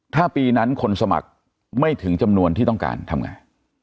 ถ้าปีนั้นคนสมัครไม่ถึงจำนวนที่ต้องการทำไง